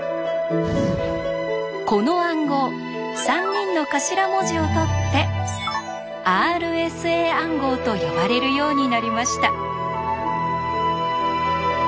この暗号３人の頭文字をとって「ＲＳＡ暗号」と呼ばれるようになりました。